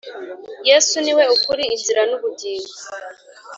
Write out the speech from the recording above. yesu niwe ukuri, inzira nubugingo